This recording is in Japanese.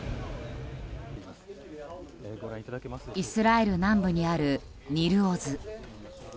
イスラエル南部にあるニル・オズ。